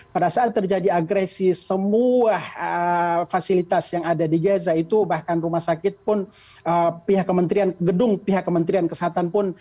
pada saat terjadi agresi semua fasilitas yang ada di gaza itu bahkan rumah sakit pun pihak kementerian gedung pihak kementerian kesehatan pun